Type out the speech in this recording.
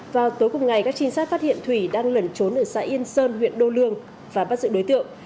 vào tối cùng ngày các trinh sát phát hiện thủy đang lẩn trốn ở xã yên sơn huyện đô lương và bắt giữ đối tượng